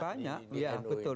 banyak ya betul